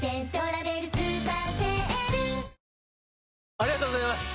ありがとうございます！